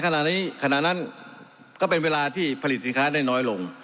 ขณะนั้นก็เป็นเวลาที่ผลิตสินค้าได้น้อยลง